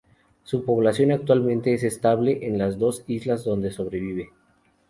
Su población actualmente es estable en las dos islas donde sobrevive.